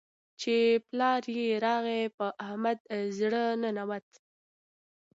چې پلار يې راغی؛ په احمد زړه ننوت.